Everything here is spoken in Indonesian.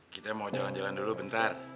kita mau jalan jalan dulu bentar